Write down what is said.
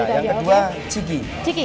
yang kedua chigi